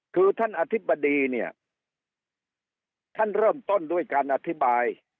คือท่านอธิบดีเนี่ยท่านเริ่มต้นด้วยการอธิบาย